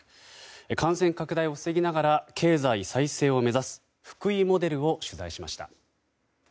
感染拡大を防ぎながら経済再生を目指す福井モデルを取材しました。